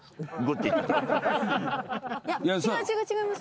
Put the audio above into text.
いや違う違う違います。